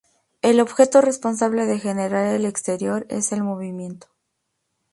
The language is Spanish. El objeto responsable de generar el exterior es el "movimiento".